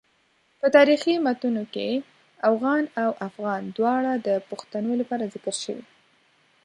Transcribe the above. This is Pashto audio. په تاریخي متونو کې اوغان او افغان دواړه د پښتنو لپاره ذکر شوي.